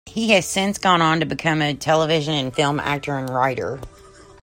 He has since gone on to become a television and film actor and writer.